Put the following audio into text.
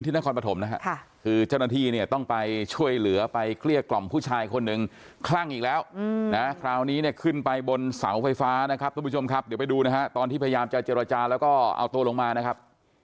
นครปฐมนะฮะคือเจ้าหน้าที่เนี่ยต้องไปช่วยเหลือไปเกลี้ยกล่อมผู้ชายคนหนึ่งคลั่งอีกแล้วนะคราวนี้เนี่ยขึ้นไปบนเสาไฟฟ้านะครับทุกผู้ชมครับเดี๋ยวไปดูนะฮะตอนที่พยายามจะเจรจาแล้วก็เอาตัวลงมานะครับ